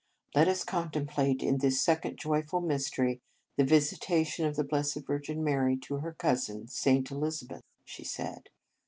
" Let us contemplate in this second joyful mystery the visitation of the Blessed Virgin Mary to her cousin, St. Elizabeth," she said.